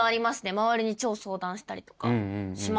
周りに超相談したりとかしますね。